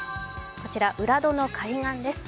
こちら浦戸の海岸です。